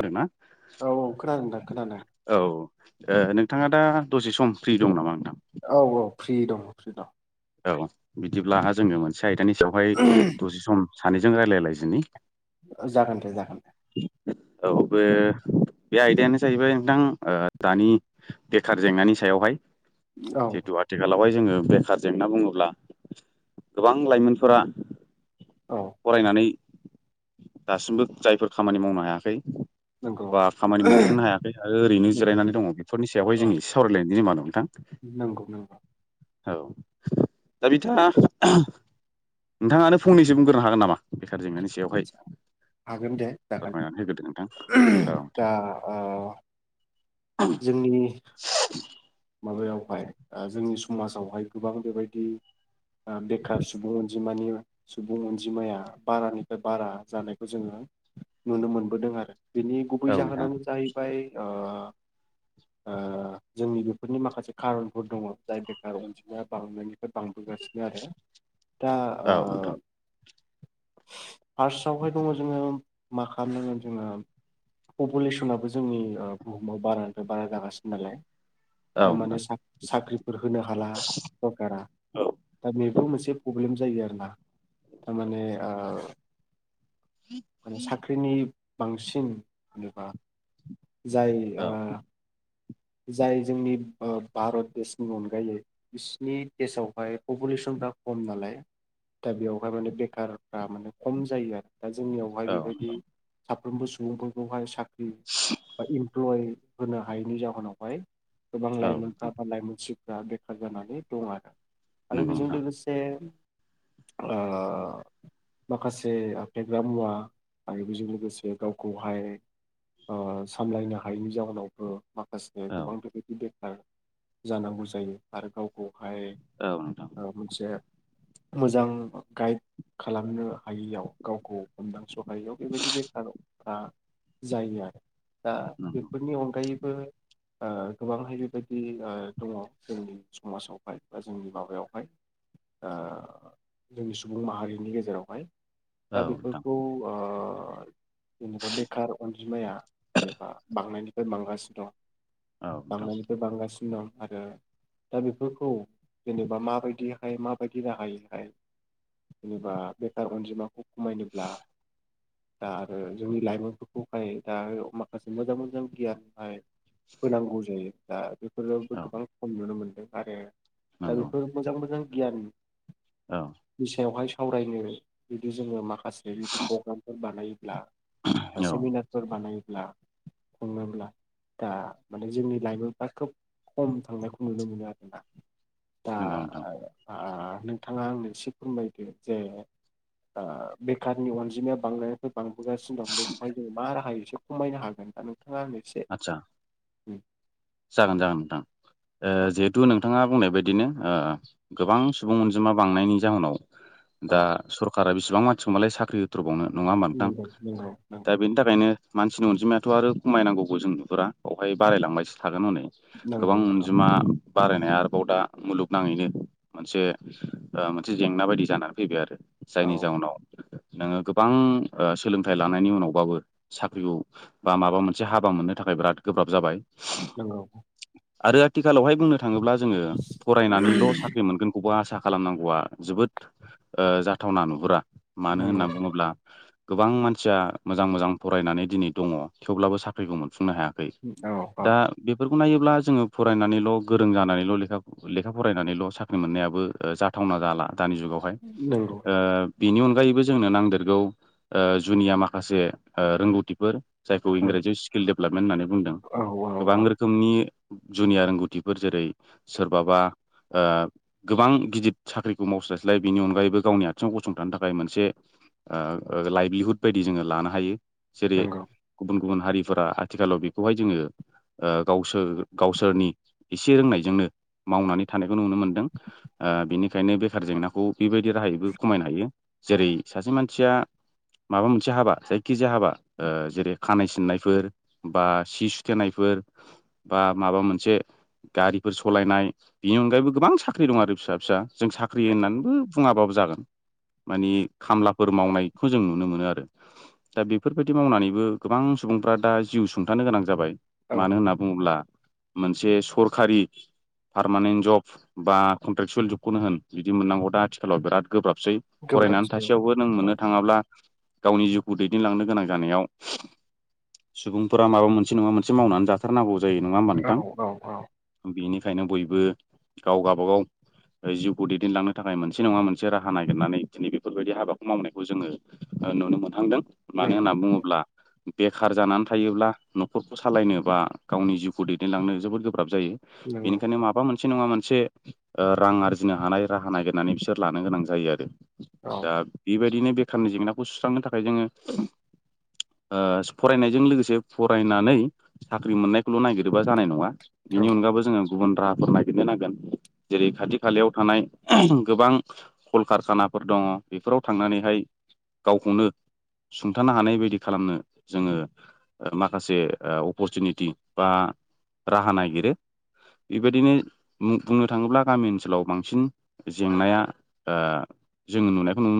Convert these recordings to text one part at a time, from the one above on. बोरमा। औ-औ खोनादोंदां खोनादों। ओ नोंथाङा दा दसे सम फ्रि दङ नामा नोंथां। औ औ फ्रि दं फ्रि दं। औ बिदिब्ला जोङो मोनसे आयदानि सायावहाय दं दसे सम सानैजों रायलायलायजोनि। ओ जागोन दे जागोन दे। औ बे। बे आयदायानो जाहैबाय नोंथां ओ दानि बेखार जेंनानि सायावहाय। औ जेतु आथिखालावहाय जोङो बेखार। जेंना बुङोब्ला गोबां लाइमोनफोरा औ फरायनानै। दासिमबो जायफोर खामानि मावनो हायाखै। नंगौ बा खामानि मोनफुंनो हायाखै आरो ओरैनो नंगौ जिरायनानै दङ बेफोरनि सायावहाय जों एसे सावरायलायनायनिमा दङ। नंगौ-नंगौ। औ दा बिथाङा नोंथाङानो फंनैसो बुंग्रोनो हागोन नामा। बेखार जेंनानि सायावहाय। हागोन दे फोरमायनानै होग्रोदो नोंथां औ दागोन दा ओ। जोंनि। माबायावहाय ओ जोंनि समासावहाय गोबां बेबायदि ओ बेखार सुबुं। जिमानियो सुबुं अनजिमाया बारानिफ्राय बारा जानायखौ जोङो नुनो मोनबोदों आरो। बिनि गुबै नोंथां जाहोनानो जाहैबाय ओ-ओ जोंनि। बेफोरनि माखासे कारनफोर दङ जाय बेखारार अनजिमाया बांनायनिफ्राय बांबोगासिनो आरो। दा औ नोंथां ओ। [unintelligible] फार्स्टावहाय दङ जोङो मा खालामनांगोन जोङो। पपुलेसनाबो जोंनि ओ बुहुमाव बारानिफाय बारा जागासिनो नालाय। औ थारमाने नोंथां साख साख्रिफोर होनो हाला सरखारा। औ दा बेबो मोनसे प्रब्लेम जायो आरो। जेनेबा थारमाने ओ साख्रिनि। बांसिन जेनेबा। जायो औ ओ। जाय जोंनि ओ भारत देशनि अनगायै बिसिनि देशावहाय पपुलेसन। दा खम नालाय दा बेयावहाय माने बेखारफ्रा माने खम जायो आरो दा जोंनियावहाय औ बेबायदि नोंथां साफ्रोमबो सुबुंफोरखौहाय साख्रि बा इमप्लय होनो हायैनि जाहोनावहाय गोबां औ लाइमोनफ नोंथां बा लाइमोन बेखार जानानै दं आरो आरो नंगौ बेजों नोंथां लोगोसे ओ माखासे फेग्रा मुवा आरो बेजों लोगोसे गावखौहाय ओ सामलायनो हायैनि जाहोनावबो माखासे औ गोबांथदि बेखार जानांगौ जायो आरो गावखौ हाय औ नोंथां मोनसे मोजां गाइड खालामनो हायैयाव गावखौ हमदांस' हायैयाव बेबायदि बेखारारफ्रा जायो आरो। दा नंगौ बेफोरनि अनगायैबो ओ गोबांहाय बेबायदि दङ जोंनि समाजावहाय बा जोंनि माबायावहाय ओ जोंनि सुबुं माहारिनि गेजेरावहाय दा औ नोंथां बेफोरखौ ओ जेनेबा बेखार अनजिमाया जेनेबा बांनायनिफ्राय बांगासिनो दं। औ नोंथां बांनायनिफ्राय बांगासिनो दं। आरो दा बेफोरखौ जेनेबा माबायदिहाय माबायदि राहायैहाय जेनेबा बेखार अनजिमाखौ खमायनोब्ला दा आरो जोंनि लाइमोनफोरखौहाय दा माखासे मोजां मोजां गियानहाय होनांगौ जायो दा बेफोरावबो औ गोबां खम नुनो मोनदों आरो दा नंगौ बेफोर मोजां मोजां औ गियाननि सायावहाय स सावरायनो जुदि जोङो माखासे जुदि प्रग्रामफोर बानायोब्ला बा औ सेमिनारफोर बानायोब्ला खुङोब्ला दा माने जोंनि लाइमोनफ्रा खोब खम थांनायखौ नुनो मोनो आरोना। दा नोंगौ नोंथां। ओ नोंथाङा आंनो एसे फोरमायदो जे ओ बेखारनि अनजिमाया बांनायनिख्रुय बांबोगासिनो दं बेखाय जों मा राहायो एसे खमायनो हागोन दा नोंथाङा आंनो इसे आदसा उम जागोन जागोन नोंथां ओ औ जिहेथु नोंथाङा बुंनाय बाय दिनो ओ गोबां सुबुं अनजिमा बांनायनि जाहोनाव दा औ सरखारा बि बिसिबां मानसिखौ मालाय साख्रि होथ्र'बावनो नङा मोनदां नंगौ नंगौ नों दा बेनि थाखायनो मानसिनि अनजिमायाथ' आरो खमायनांगौबो जों नुहुरा बेावहाय बारायलांबायसो थागोन हनै नंगौ गोबां नंगौ अनजिमा बारायनाया आरोबाव दा मुलुगनाङैनो मोनसे मोनसे जेंना बायदि जानानै फैबाय आरो। औ जायनि जाउनाव नोङो गोबां सोलोंथाइ लानायनि उनावबाबो साख्रिखौ बा माबा मोनसे हाबा मोननो था खाय बिराद गोब्राब जाबाय। नोंगौ आरो आथिखालावहाय बुंनो थाङोब्ला जोङो फरायनानैल' साख्रि मोनगोनखौबो आसा खालामनांगौआ जोबोदओ जाथावना नुहुरा मानो नंगौ होनना बुङोब्ला गोबां मानसिया मोजां मोजां फरायनानै दिनै दङ थेवब्लाबो साख्रिबो मोनफुंनो हायाखै औ औ दा बेफोर खौ नायोब्ला जोङो फरायनानैल' गोरों जानानैल' लेखा फरायनानैल' साख्रि मोननायाबो जाथावना जाला। दानि जुगावहाय नंगौ ओ बेनि अनगायैबो जोंनो नांदेरगौ जुनिया माखासे रोंगौथिफोर जायखौ औ इंराजियाव स्किल डेभेलपमेन्ट होननानै बुंदों औ औ गोबां औ रोखोमनि जुनियार रोंगौथिफोर जेरै सोरबाबा ओ गोबां गिदिर साख्रिखौ मावस्लायस्लाय बेनि अनगायैबो गावनि आथिङाव गसंथानो थाखाय मोनसे ओ ओ लाइभलिहुद बायदि जोङो लानो हायो। जेरै नंगौ गुबुन गुबुन हारिफोरा आथिखालाव बेखौहाय जोङो ओ गावसोर गावसोरनि एसे रोंनायजोंनो मावनानै थानायखौ नुनो मोनदों ओ बेनिखायनो बेखार जेंनाखौ बेबायदि राहायैबो खमायनो हायो। जेरै सासे मानसिया माबा मोनसे हाबा जायखिजाया हाबा ओ जेरै खानाय सिननायफोर बा सिु टेनायफोर बा माबा मोनसे गारिफोर सलायनाय बिनि अनगायैबो गोबां साख्रि दं आरो फिसा फिसा जों साख्रि होननानैबो बुङाबाबो जागोन। मानि खामलाफोर मावनायखौ जों नुनो मोनो आरो दा बेफोरबायदि मावनानैबो गोबां सु सुबुंफ्रा दा जिउ सुंथानो गोनां जाबाय औ मानो होनना बुङोब्ला मोनसे सरखारि पारमानेन्ट जब बा कन्ट्रेकसुयेल जबखौनो होन बिदि मोननांगौ दा आथिखालाव बिराद। गोब्राबसै फरायनानै गोब्राबसै औ थासेयावबो नों मोननो थाङाब्ला। गावनि जिउखौ दैदेनलांनो गोनां जानायाव सुबुंफोरा माबा मोनसे नङा मोन। एसे मावनानै जाथारनांगौ जायो नङा होमबा औ नोंथां औ औ बेनिख। थाखायनो बयबो गाव गावबागाव। जिउखौ दैदेनलांनो थाखाय मोनसे नङा मोनसे राहा नागिरनानै दिनै बेफोरबायदि हाबाखौ मावनायखौ जोङो। नुनो मोनथांदों मानो नंगौ होनना बुङोब्ला बेखार जानानै थायोब्ला न'खर। खौ सालायनो बा गावनि जिउखौ दैदेनलांनो जोबोद गोब्राब जायो नंगौ बेनिखायनो माबा मोन। मोनसे नङा मोनसे रां आरजिनो हानाय राहा नागिरनानै बिसोर लानो गोनां जायो आरो। औ दा बेबायदिनो बेखारनि जेंनाखौ सुस्रांनो थाखाय जोङो। ओ फरायनायजों लोगोसे फरायनानै। साख्रि मोननायखौल' नागिरोबा जानाय नङा औ बिनि अनगाबबो जोङो। गुबुन राहाफोर नागिरनो नांगोन जेरै खाथि खालायाव थानाय गोबां कलकारखाना। फोर दङ बेफोराव थांनानैहाय गावखौनो सुंथानो हानाय बायदि खालामनो जोङो ओ माखासे। ओ अपरसुनिटि बा राहा नागिरो। बेबायदिनो मुं बुंनो थाङोब्ला गामि ओनसोलाव बांसिन जेंनाया ओ। जोङो नुनायखौ नु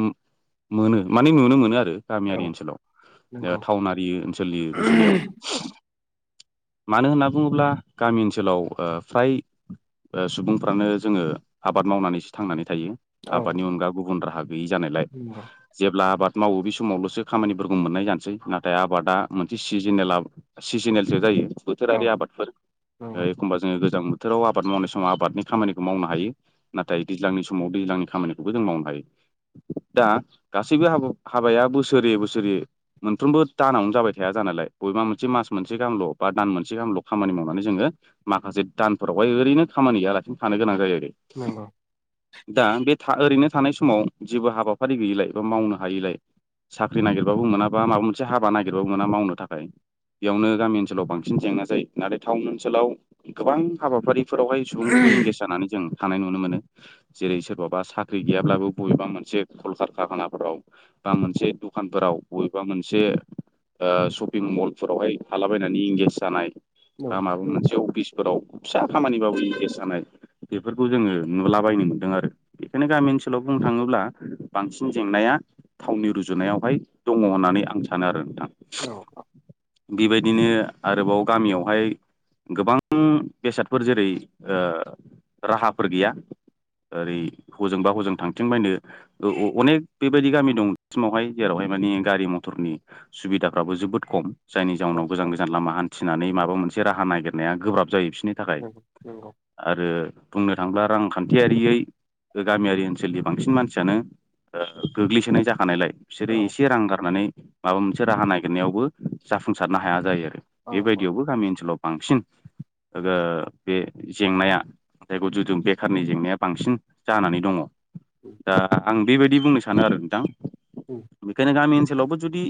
मोनो माने नुनो मोनो आरो। औ गामियारि ओनसोलाव ओ नंगौ टाउनारि ओनसोलनि रुजुनायाव। मानो होनना बुङोब्ला गामि ओनसोलाव ओ फ्राय। ओ सुबुंफ्रानो जोङो आबाद मावनानैसो थांनानै थायो औ आबादनि अनगा गुबुन राहा गैयि जानायलाय नंगौ जेब्ला आबाद मावो बे समावल'सो खामानिफोरखौ मोननाय जानोसै नाथाय आबादा मोनसे सिजेनेलयव सिजोनेलसो जायो औ बोथोरारि आबादफोर एखमबा जोङो गोजां मोनो बोथोराव आबाद मावनाय समाव आबादनि खामानिखौ मावनो हायो नाथाय दैज्लांनि समाव दैज्लांनि खामानिखौबो जों मावनो हायो दा गासैबो हाबाया बोसोरै बोसोरै मोनफ्रोमबो दानावनो जाबाय थाया ज [unintelligible] [inaudible] [unintelligible] मोनसे मास मोनसे गाहल' बा दान मोनसे गाहामल' खामानि मावनानै जोङो माखासे दानफोरावहाय ओरैनो खाम गया। सि थानो गोनां जायोे। नंगौ दा बे था ओरैनो थानाय समाव जेबो हाबाफारि गैयिलाय बा मावनो हायिलाय। साख्रि नागिरबाबो मोना बा माबा मोनसे हाबा नागिरबाबो मोना मावनो थाखाय। बेयावनो गामि ओनसोलाव बांसिन जेंना जायो नाथाय टाउन ओनसोलाव गोबां हाबाफारि। फोरावहाय सुबुंफोरखौ इंगेज जानानै जों। थानाय नुनो मोनो जेरै सोरबाबा साख्रि गैयाब्लाबो बबेबा मोनसे कलकार खाखानाफोराव। बा मोनसे दखानफोराव बबेबा मोनसे ओ शपिं मल। फोरावहाय हालाबायनानै इंगेज जानाय नंगौ औ बा माबा मोनसे अफिस। फोराव फिसा खामानिबाबनि गेस जानाय बेफोरखौ जोङो नुलाबायनो मोन्दों आरो। बेखायनो गामि ओनसोलाव बुंनो थाङोब्ला बांसिन जेंनाया थावनि रुजुनायावहाय दङ होननानै। आं सानो आरो नोंथां। [unintelligible] [inaudible] बेबायदिनो आरोबाव गामियावहाय। गोबां बेसादफोर जेरै राहाफोर गैया ओरै हजोंबा हजों थांथिं बायनो अनेक बेबायदि गामि दंसिमावहाय जेरावहाय माने गारि मथरनि सुबिदाफ्राबो जोबोद खम जायनि औ जाउनाव औ गोजान गोजान लामा हान्थिनानै माबा मोनसे राहा नागिरनाया गोब्राब जायो बिस नि थाखाय नंगौ नंगौ आरो बुंनो थांब्ला रांखान्थियारियै गामियारि ओनसोलनि बांसिन मानसियानो गोग्लैसोनाय जाखानायलाय बिसोरो औ एसे रां गारनानै माबा मोनसे राहा नागिरनायावबो जाफुंसारनो हाया जायो आरो औ औ बेबायदियावबो गामि ओनसोलाव बांसिन ओ बे जेंनाया जायखौ बेखारनि जेंनाया बांसिन जानानै दङ उम, दा आं बेबायदि बुंनो सानो आरो नोंथां। उम, बेखायनो गामि ओनसोलाव ओनसोलावबो जुदि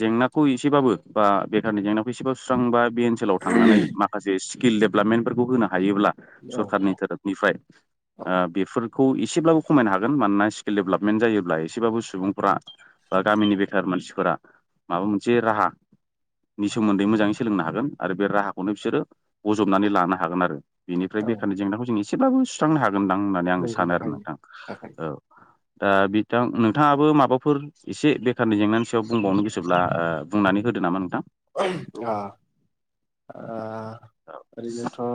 जेंनाखौ एसेबाबो, बा बेखारनि जेंनाखौ बेसेबां सुस्रांबा बे ओनसोलाव थांनानै। माखासे स्किल डेभेलपमेन्टफोरखौ होनो हागोन। हायोब्ला औ सरखारनि थोरोबनिफ्राय औ ओ बेफोर [unintelligible] एसेब्लाबो खमायनो हागोन। मानोना स्किल डेभेलपमेन्ट जायोब्ला, एसेबाबो सुबुंफोरा बा गामिनि बेखार मानसिफोरा माबा मोनसे राहा [unintelligible] सोमोन्दै मोजाङै सोलोंनो हागोन आरो बे राहाखौनो बिसोरो बजबनानै लानो हागोन आरो। बिनिफ्राय औ बेखारनि जेंनाखौ जों एसेब्लााबबो सुस्रांनो हागोनदां होननानै आं नंगौ सानो आरो हायो नोंथां। हागोन औ। दा बिथां, नोंथाङाबो माबाफोर एसे बेखारनि जेंनानि सायाव बुंबावनो गोसोब्ला ओ बुंनानै होदो नामा नोंथां? ओ औ ओरैनोथ'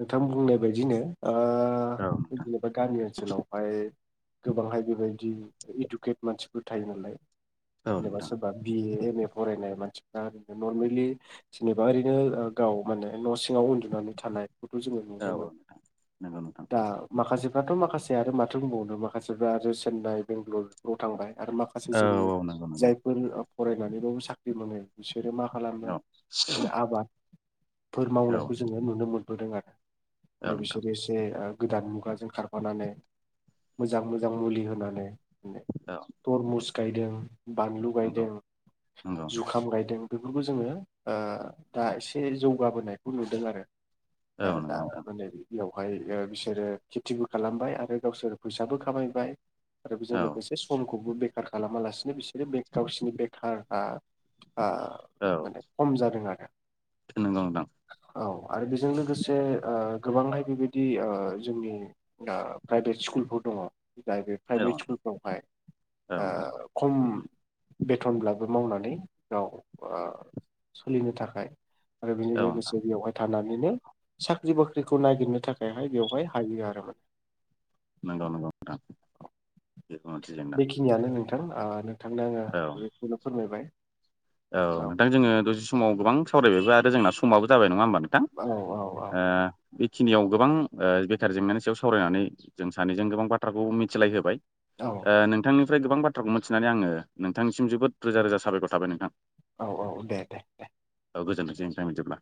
नोंथां बुंनाय बायदिनो। ओ जेनेबा गामि ओनसोलावहाय गोबांहाय बेबायदि इडुकेट मानसिफोर थायो नालाय। औ नोंथां औ जेनेबा नोंथां सोरबा बि ए एम ए फरायनाय [unintelligible] मानसिफ्रा ओरैनो नरमेलि जेनेबा ओरैनो गाव माने न' सिङाव उन्दुनानै थानाय [unintelligible] जोङो नुनो औ मोनो नोंथां नंगौ नोंथां दा माखासे दाथ' माखासे आरो माथो बुंबावनो, माखासेफ्रा आरो चेन्नाइ बेंगालराव थांबाय। आरो माखासे औ जोंनि औ नंगौ नंगौ जायफोर फरायनानैबाबो साख्रि मानो [unintelligible] बिसोरो मा खालामो औ [unintelligible] आबादफोर औ मावनायखौ जोङो नुनो मोनबोदों आरो। औ माने नोंथां बिसोर एसे गोदान मुगाजों खारफानानै मोजां- मोजां मुलि होनानै। औ तरमुस गायदों, बानलु नंगौ गायदों, नंगौ जुखाम गायदों। बेफोरखौ जोङो, ओ दा एसे जौगाबोनायखौ नुदों आरो। औ [unintelligible] नंगौ नोंथां बेवहाय बिसोरो खेथिबो खालामबाय आरो गावसोर फैसाबो खामायबाय। आरो औ बेजों लोगोसे समखौबो बेखार खालामालासिनो बिसोरो बे गावसिनि बेखारा ओ माने खम जादों आरो। नोंगौ नोंथां। औ आरो बेजों लोगोसे लोगोसे ओ गोबांहाय बेबायदि जोंनि प्राइभेट स्कुलफोर दङ। जाय बे औ प्राइभेट स्कुलफ्रावहाय औ नोंथां ओ खम बेथनब्लाबो मावनानै गाव ओ सोलिनो थाखाय आरो बेनि औ नोंथां लोगोसे बेयावहाय थानानैनो साख्रि -बाख्रिखौ नायगिरनो थाखायहाय, बेवहाय हायो आरो माने नंगौ नंगौ नोथां बेफोर मोनसे जेंना बेखिनियानो नोंथां, नोंथांनो औ आङो बेखौनो फोरमायबाय। औ नोंथां, जोङो दसे समाव गोबां सावरायबायबो आरो जोंना समाबो जाबाय नङा होमबा? औ नोथां। बेखिनियाव गोबां ओ बेखार जेंनानि सायाव सावरायनानै जों सानैजों गोबां बाथ्राखौ मिथिलाय होबाय। औ ओ नोंथांनिफ्राय गोबां बाथ्राखौ मिथिनानै, आङो नोंथांनिसिम जोबोद रोजा -रोजा साबायखर थाबाय नोंथां। औ औ दे दे दे। औ गोजोनथोंसै नोंथां बिदिब्ला।